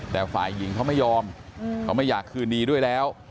แต่ฝ่ายหญิงเขาไม่ยอมเขาไม่อยากคืนดีด้วยแล้ว